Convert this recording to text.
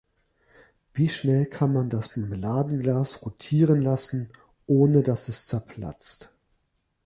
Wie schnell kann man das Marmeladenglas rotieren lassen, ohne dass es zerplatzt?